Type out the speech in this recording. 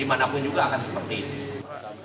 dimanapun juga akan seperti itu